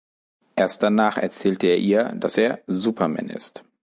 Erst danach erzählte er ihr, dass er "Superman" ist.